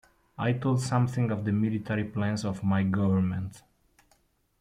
I told something of the military plans of my Government.